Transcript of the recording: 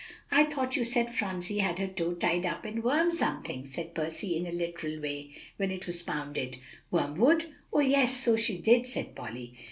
"I thought you said Phronsie had her toe tied up in worm something," said Percy in a literal way, "when it was pounded." "Wormwood? Oh, yes, so she did," said Polly.